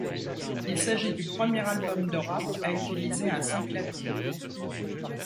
Il s'agit du premier album de rap à utiliser un synclavier.